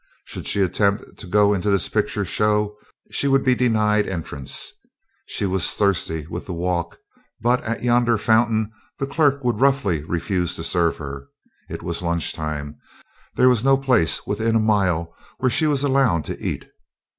Should she attempt to go into this picture show she would be denied entrance. She was thirsty with the walk; but at yonder fountain the clerk would roughly refuse to serve her. It was lunch time; there was no place within a mile where she was allowed to eat.